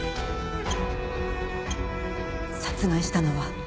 殺害したのは。